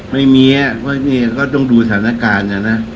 ไม่มีอะว่านี่ก็ต้องดูสถานการณ์นะนะ